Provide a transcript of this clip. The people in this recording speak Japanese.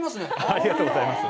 ありがとうございます。